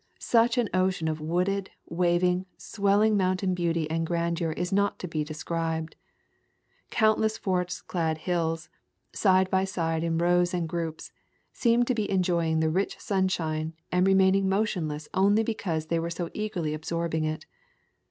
Such an ocean of wooded, waving, swelling moun tain beauty and grandeur is not to be described. Countless forest clad hills, side by side in rows and groups, seemed to be enjoying the rich sunshine and remaining motionless only be cause they were so eagerly absorbing it.